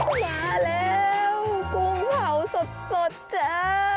มาแล้วกุ้งเผาสดจ้า